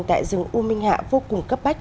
tại rừng u minh hạ vô cùng cấp bách